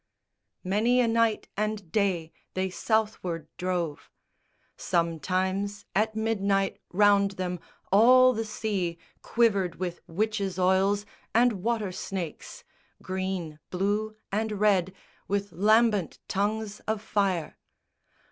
Many a night and day they Southward drove. Sometimes at midnight round them all the sea Quivered with witches' oils and water snakes, Green, blue, and red, with lambent tongues of fire.